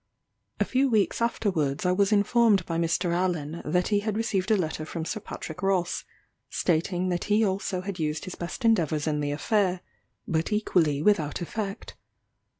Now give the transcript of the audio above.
A few weeks afterwards I was informed by Mr. Allen, that he had received a letter from Sir Patrick Ross, stating that he also had used his best endeavours in the affair, but equally without effect.